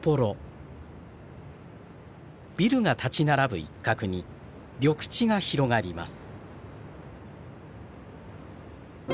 ビルが立ち並ぶ一角に緑地が広がります。